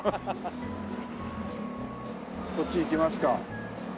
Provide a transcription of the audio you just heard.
こっち行きますか。